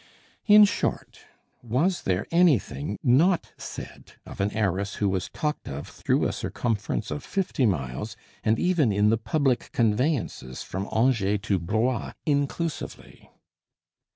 In short, was there anything not said of an heiress who was talked of through a circumference of fifty miles, and even in the public conveyances from Angers to Blois, inclusively!